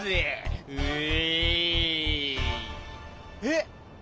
えっ？